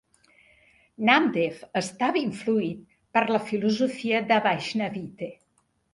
Namdev estava influït per la filosofia de Vaishnavite.